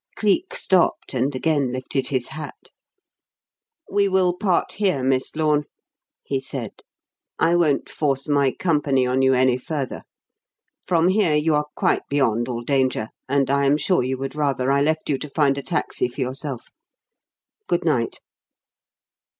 Cleek stopped and again lifted his hat. "We will part here, Miss Lorne," he said. "I won't force my company on you any further. From here, you are quite beyond all danger, and I am sure you would rather I left you to find a taxi for yourself. Good night."